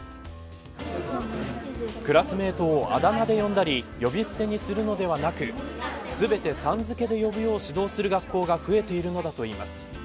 クラスメートをあだ名で呼んだり呼び捨てにするのではなく全て、さん付けで呼ぶよう指導する学校が増えているのだといいます。